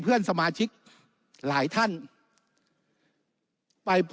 วุฒิสภาจะเขียนไว้ในข้อที่๓๐